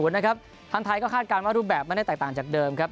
นะครับทางไทยก็คาดการณ์ว่ารูปแบบไม่ได้แตกต่างจากเดิมครับ